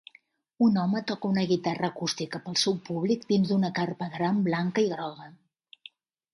Un home toca una guitarra acústica pel seu públic dins d'una carpa gran blanca i groga.